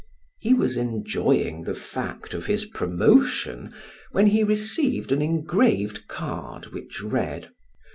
He was enjoying the fact of his promotion, when he received an engraved card which read: "M.